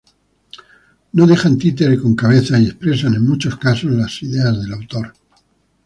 No dejan títere con cabeza, y expresan en muchos casos las ideas del autor.